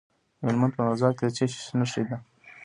د هلمند په نوزاد کې د څه شي نښې دي؟